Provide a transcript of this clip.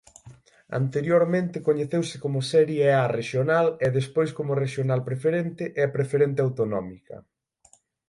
Anteriormente coñeceuse como Serie A Rexional e despois como Rexional Preferente e Preferente Autonómica.